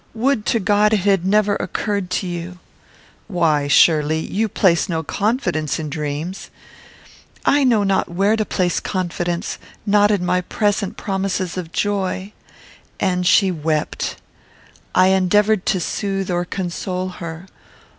Would to God it had never occurred to you!" "Why, surely, you place no confidence in dreams?" "I know not where to place confidence; not in my present promises of joy," and she wept. I endeavoured to soothe or console her.